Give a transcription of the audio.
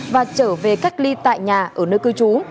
và trở về cách ly tại nhà ở nơi cư trú